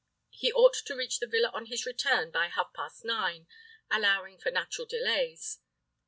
He ought to reach the villa on his return by half past nine, allowing for natural delays.